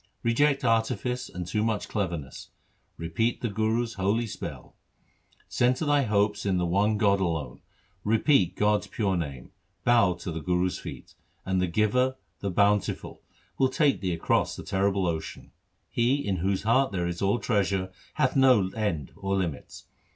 Reject artifice and too much cleverness ; repeat the Guru's holy spell. Centre thy hopes in the one God alone ; Repeat God's pure name ; Bow to the Guru's feet, And the Giver, the Bountiful, Will take thee across the terrible ocean. He in whose heart there is all treasure Hath no end or limits.